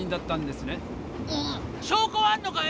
証拠はあんのかい？